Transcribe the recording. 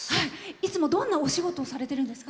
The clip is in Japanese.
いつもどんなお仕事をされているんですか？